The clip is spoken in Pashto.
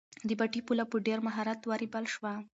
د پټي پوله په ډېر مهارت ورېبل شوه.